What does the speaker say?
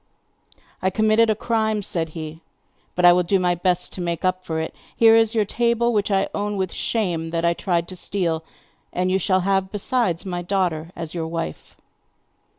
'I committed a crime,' said he; 'but I will do my best to make up for it. Here is your table, which I own with shame that I tried to steal, and you shall have besides, my daughter as your wife!